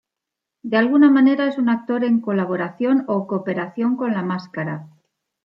De alguna manera es un actor en colaboración o cooperación con la máscara.